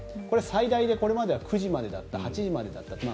これは最大でこれまでは９時だった、８時までだった